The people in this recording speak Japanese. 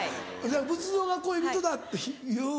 じゃあ仏像が恋人だっていう？